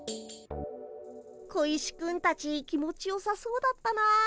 小石くんたち気持ちよさそうだったなあ。